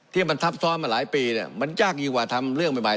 ที่มันทับซ้อนมาหลายปีเนี่ยมันยากอีกกว่าทำเรื่องบ่าย